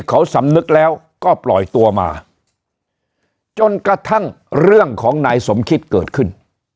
เขาสำนึกแล้วก็ปล่อยตัวมาจนกระทั่งเรื่องของนายสมคิดเกิดขึ้น